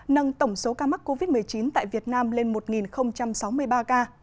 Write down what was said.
nâng tổng số ca mắc covid một mươi chín tại việt nam lên một sáu mươi ba ca